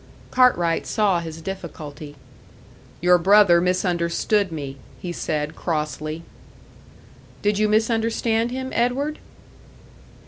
Cartwright saw his difficulty. "Your brother misunderstood me," he said, crossly. "Did you misunderstand him, Edward?"